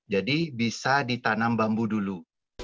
jadi bisa ditanam bambu dulu